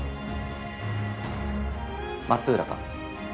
松浦か？